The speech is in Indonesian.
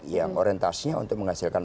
yang orientasinya untuk menghasilkan